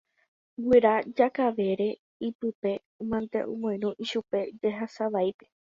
Guyra Jakavere ypykue mante omoirũ ichupe jehasavaípe.